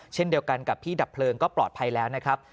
เช่นเดียวกันกับพี่ดับเพลิงก็ปลอดภัยแล้วนะครับ